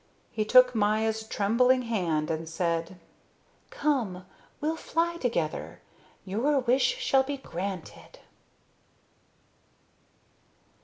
He took Maya's trembling hand and said: "Come. We'll fly together. Your wish shall be granted."